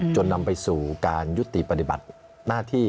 จนนำไปสู่การยุติปฏิบัติหน้าที่